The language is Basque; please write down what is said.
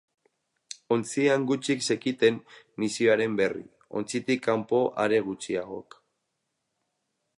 Ontzian gutxik zekiten misioaren berri, ontzitik kanpo are gutxiagok.